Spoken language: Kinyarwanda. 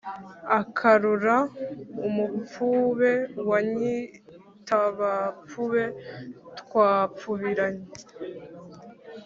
akaru ra umu pfube wa nyitabapfube twa pfubiranye